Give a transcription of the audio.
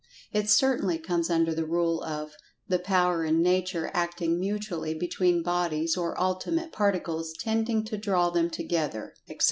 It certainly comes under the rule of "the power in nature acting[Pg 148] mutually between bodies, or ultimate particles, tending to draw them together," etc.